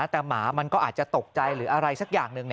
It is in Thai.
แต่หมามันก็อาจจะตกใจหรืออะไรสักอย่างหนึ่ง